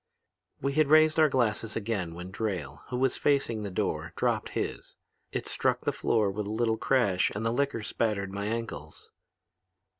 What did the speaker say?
"We had raised our glasses again when Drayle, who was facing the door, dropped his. It struck the floor with a little crash and the liquor spattered my ankles.